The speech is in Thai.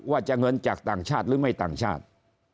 ว่าจะเงินจากต่างชาติหรือไม่ต่างชาติ